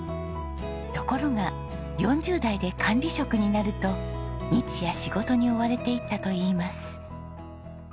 ところが４０代で管理職になると日夜仕事に追われていったといいます。